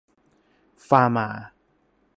ฟาร์มา